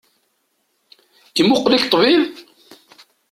Imuqel-ik ṭṭbib?